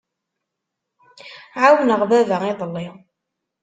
Ɛawneɣ baba iḍelli.